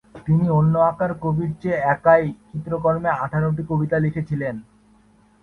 তিনি অন্য আঁকার কবির চেয়ে একাই চিত্রকর্মে আঠারোটি কবিতা লিখেছিলেন।